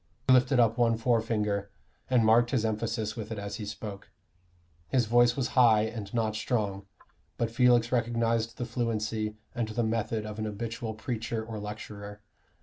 He lifted up one forefinger, and marked his emphasis with it as he spoke. His voice was high and not strong, but Felix recognized the fluency and the method of an habitual preacher or lecturer.